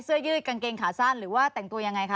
ยืดกางเกงขาสั้นหรือว่าแต่งตัวยังไงคะ